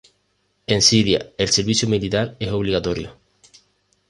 En Siria, el servicio militar es obligatorio.